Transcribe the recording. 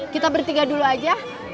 kita bertiga dulu aja